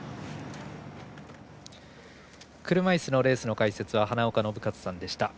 車いすのレースの解説は花岡伸和さんでした。